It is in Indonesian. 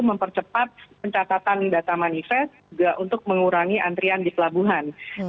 mempercepat pencatatan data manifest juga untuk mengurangi antrian di pelabuhan